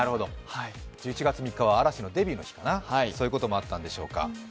１１月３日は嵐のデビューの日ということもあったんでしょうか。